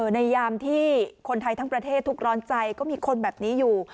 ยามที่คนไทยทั้งประเทศทุกร้อนใจก็มีคนแบบนี้อยู่